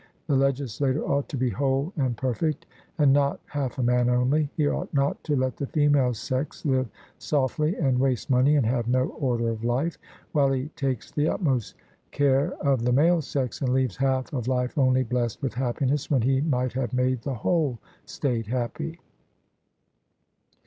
The legislator ought to be whole and perfect, and not half a man only; he ought not to let the female sex live softly and waste money and have no order of life, while he takes the utmost care of the male sex, and leaves half of life only blest with happiness, when he might have made the whole state happy.